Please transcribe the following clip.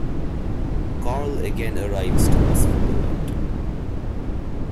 Karl again arrives to ask for the rent.